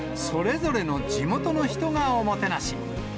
それぞれの地元の人がおもてなし。